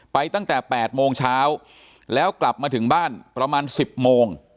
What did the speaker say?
ตั้งแต่๘โมงเช้าแล้วกลับมาถึงบ้านประมาณ๑๐โมง